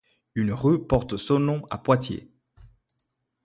Une rue porte son nom à Poitiers.